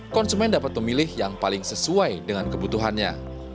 konsumen dapat memilih yang paling sesuai dengan kebutuhannya